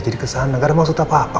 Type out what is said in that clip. jadi kesana gak ada maksud apa apa